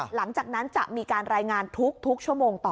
หลังจากนั้นจะมีการรายงานทุกชั่วโมงต่อ